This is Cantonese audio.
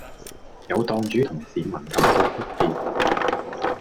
有檔主同市民感到不便